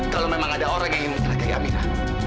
kalau memang ada orang yang mencelakai amira